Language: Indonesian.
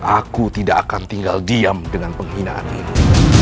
aku tidak akan tinggal diam dengan penghinaan ini